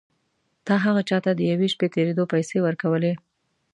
تا هغه چا ته د یوې شپې تېرېدو پيسې ورکولې.